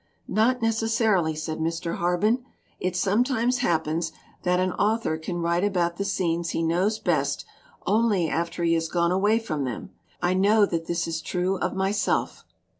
'' Not necessarily, '' said Mr. Harben. '' It some times happens that an author can write about the scenes he knows best only after he has gone away from them. I know that this is true of myself.